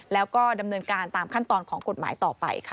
แล้วก็ดำเนินการตามขั้นตอนของกฎหมายต่อไปค่ะ